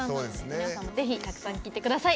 皆さんもぜひたくさん聴いてください。